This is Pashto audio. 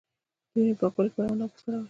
د وینې د پاکوالي لپاره عناب وکاروئ